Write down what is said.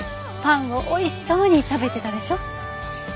パンをおいしそうに食べてたでしょ。